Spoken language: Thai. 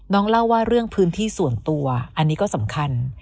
เล่าว่าเรื่องพื้นที่ส่วนตัวอันนี้ก็สำคัญ